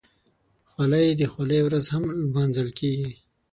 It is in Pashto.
خولۍ د خولۍ ورځ هم لمانځل کېږي.